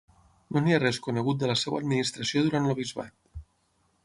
No n'hi ha res conegut de la seva administració durant el bisbat.